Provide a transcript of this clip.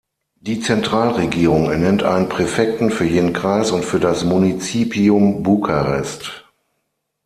Die Zentralregierung ernennt einen Präfekten für jeden Kreis und für das Munizipium Bukarest.